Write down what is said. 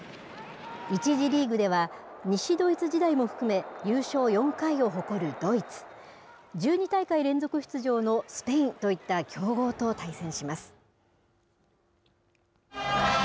１次リーグでは、西ドイツ時代も含め、優勝４回を誇るドイツ、１２大会連続出場のスペインといった強豪と対戦します。